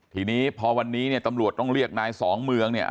ทีนี้พอวันนี้เนี่ยตำรวจต้องเรียกนายสองเมืองเนี่ย